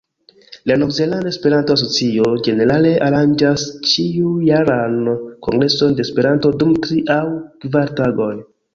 La Nov-Zelanda Esperanto-Asocio ĝenerale aranĝas ĉiujaran kongreson de Esperanto dum tri aŭ kvar tagoj.